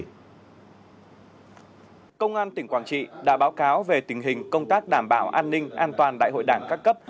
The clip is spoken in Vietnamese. công an tỉnh quảng trị đã báo cáo về tình hình công tác đảm bảo an ninh an toàn đại hội đảng các cấp